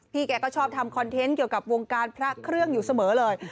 แกก็ชอบทำคอนเทนต์เกี่ยวกับวงการพระเครื่องอยู่เสมอเลย